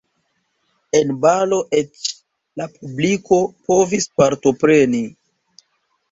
En balo eĉ la publiko povis partopreni.